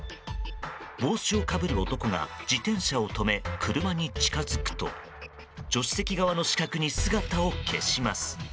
帽子をかぶる男が自転車を止め、車に近づくと助手席側の死角に姿を消します。